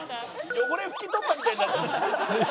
汚れ拭き取ったみたいになってる。